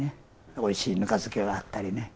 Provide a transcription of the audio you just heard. おいしいぬか漬けがあったりね。